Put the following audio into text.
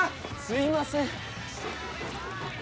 すいません。